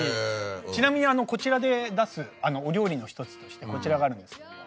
ちなみにこちらで出すお料理の１つとしてこちらがあるんですけれども。